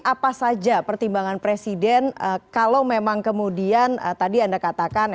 apa saja pertimbangan presiden kalau memang kemudian tadi anda katakan